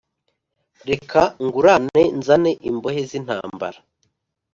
reka ngurane nzane imbohe zintambara